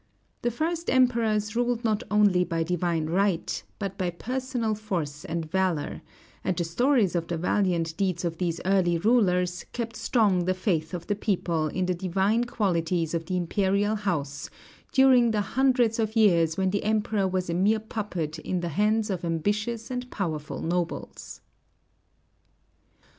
The first emperors ruled not only by divine right, but by personal force and valor; and the stories of the valiant deeds of these early rulers kept strong the faith of the people in the divine qualities of the imperial house during the hundreds of years when the Emperor was a mere puppet in the hands of ambitious and powerful nobles.